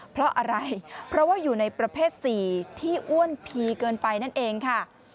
เพราะอะไรเพราะว่าอยู่ในประเภท๔ที่อ้วนพีเกินไปนั่นเองค่ะ